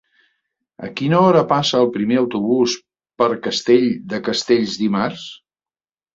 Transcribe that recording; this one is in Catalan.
A quina hora passa el primer autobús per Castell de Castells dimarts?